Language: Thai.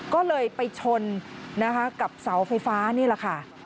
ก็เลยไปชนนะคะกับเสาไฟฟ้านี่แหละค่ะ